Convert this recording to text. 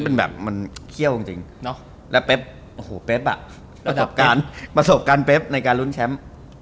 เป็นแบบเขี้ยวจริงแล้วเฟฟโอ้โห้ประสบการณ์เฟฟในการลุ้นแชมป์